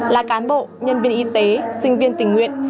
là cán bộ nhân viên y tế sinh viên tình nguyện